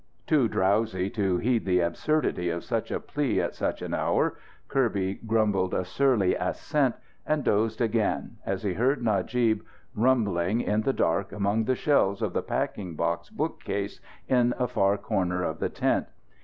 Too drowsy to heed the absurdity of such a plea at such an hour, Kirby grumbled a surly assent, and dozed again as he heard Najib rumbling, in the dark, among the shelves of the packing box bookcase in a far corner of the tent.